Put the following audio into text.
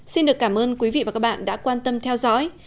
xin được cảm ơn quý vị và các bạn đã quan tâm theo dõi